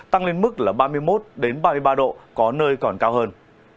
tăng lên mức ba mươi một ba mươi ba độ có nơi còn cao hơn